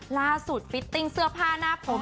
ฟิตติ้งเสื้อผ้าหน้าผม